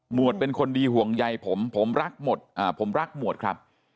วดเป็นคนดีห่วงใยผมผมรักหมดผมรักหมวดครับ